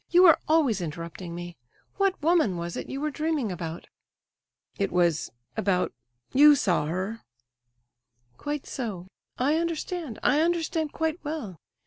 You are always interrupting me. What woman was it you were dreaming about?" "It was—about—you saw her—" "Quite so; I understand. I understand quite well.